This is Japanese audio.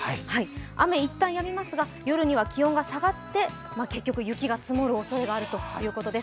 雨は一旦やみますが、夜には気温が下がって、結局、雪が積もるおそれがあるということです。